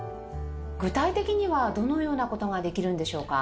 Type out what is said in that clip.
具体的にはどのような事ができるんでしょうか？